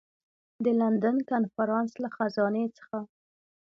د لندن کنفرانس له خزانې څخه.